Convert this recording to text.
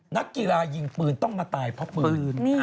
นักกีฬายิงปืนต้องมาตายเพราะปืน